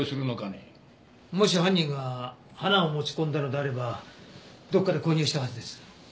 もし犯人が花を持ち込んだのであればどこかで購入したはずです。